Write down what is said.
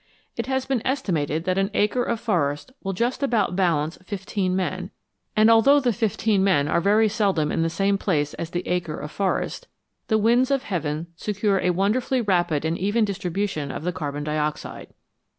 It has been estimated that an acre of forest will just about balance fifteen men, and although the fifteen men are very seldom in the same place as the CHEMISTRY AND AGRICULTURE acre of forest, the winds of heaven secure a wonderfully rapid and even distribution of the carbon dioxide.